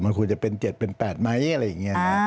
มันควรจะเป็น๗เป็น๘ไหมอะไรอย่างนี้นะ